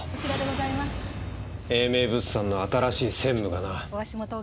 英明物産の新しい専務がな。